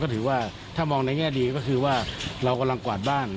ถือว่าถ้ามองในแง่ดีก็คือว่าเรากำลังกวาดบ้าน